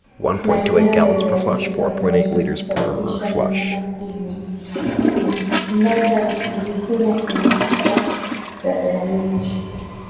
Maeneo yaliyoathirika huwasha na kusababisha mnyama kujingata na kujikuna kwenye kuta na miti